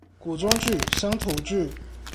古裝劇，鄉土劇